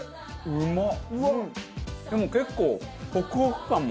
うまっ！